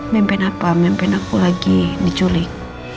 mimpi apa mimpi aku lagi diculik